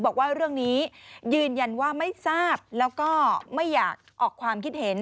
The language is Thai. บอกว่าเรื่องนี้ยืนยันว่าไม่ทราบแล้วก็ไม่อยากออกความคิดเห็น